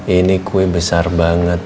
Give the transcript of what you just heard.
ini kue besar banget